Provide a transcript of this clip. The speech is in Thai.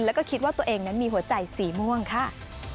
แล้วก็คิดว่าตัวเองนั้นมีหัวใจสีม่วงค่ะ